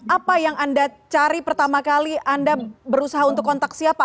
apa yang anda cari pertama kali anda berusaha untuk kontak siapa